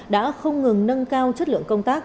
đã không ngừng nâng cao chất lượng công tác